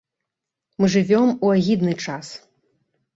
Мы жывём у агідны час.